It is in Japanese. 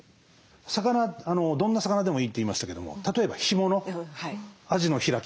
魚どんな魚でもいいって言いましたけども例えば干物あじの開きとか。